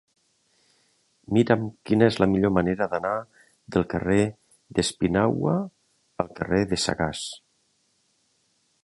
Mira'm quina és la millor manera d'anar del carrer d'Espinauga al carrer de Sagàs.